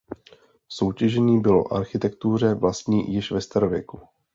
Soutěžení bylo architektuře vlastní již ve starověku.